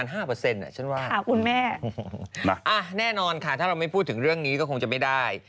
ฉันว่าแน่นอนค่ะถ้าเราไม่พูดถึงเรื่องนี้ก็คงจะไม่ได้